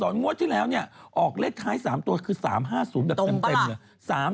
งวดที่แล้วเนี่ยออกเลขท้าย๓ตัวคือ๓๕๐แบบเต็มเลย